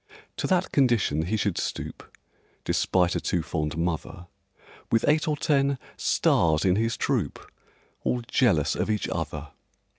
To that condition he should stoop (Despite a too fond mother), With eight or ten "stars" in his troupe, All jealous of each other!